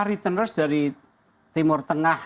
returners dari timur tengah